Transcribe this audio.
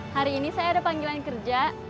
hari ini saya ada panggilan kerja